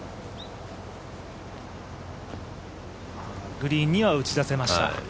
グリーンには打ち出せました。